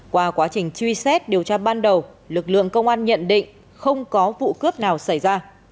qua quá trình truy xét điều tra ban đầu lực lượng công an nhận định không có vụ cướp nào xảy ra